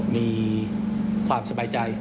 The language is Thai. มีความสบายใจ